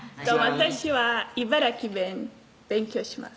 私は茨城弁勉強します